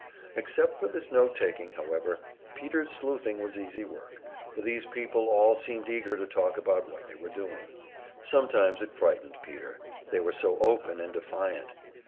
Except for this note taking, however, Peter's sleuthing was easy work, for these people all seemed eager to talk about what they were doing; sometimes it frightened Peter they were so open and defiant!